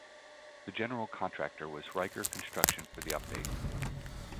The General Contractor was Reicker Construction for the update.